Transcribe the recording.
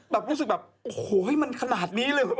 รู้สึกแบบโอโฮมันขนาดนี้เลย